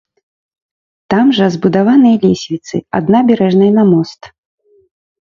Там жа збудаваныя лесвіцы ад набярэжнай на мост.